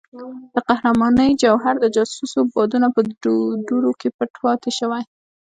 د قهرمانۍ جوهر د جاسوسو بادونو په دوړو کې پټ پاتې شوی.